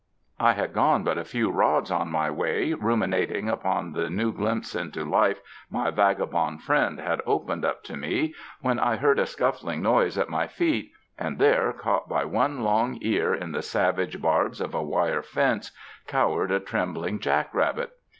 I had gone but a few rods on my way, ruminating upon the new glimpse into life my vagabond friend had opened up to me, when I heard a scuffling noise at my feet, and there, caught by one long ear in the savage barbs of a wire fence, cowered a trembling jack rabbit.